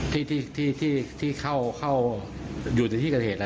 ที่เข้าอยู่ละทีกับเหตุล่ะนะ